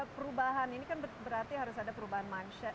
perubahan ini kan berarti harus ada perubahan mindset